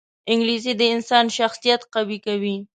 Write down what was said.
انګلیسي د انسان شخصیت قوي کوي